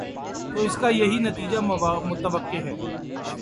تو اس کا یہی نتیجہ متوقع ہے۔